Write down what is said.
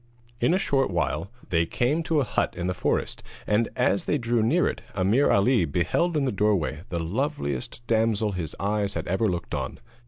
In a short while they came to a hut in the forest, and as they drew near it Ameer Ali beheld in the doorway the loveliest damsel his eyes had ever looked on.